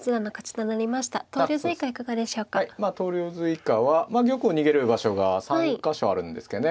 投了図以下は玉を逃げる場所が３か所あるんですけどね。